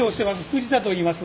藤田といいます。